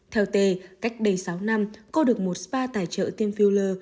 theo t cách đây sáu năm cô được một spa tài trợ tiêm phi lơ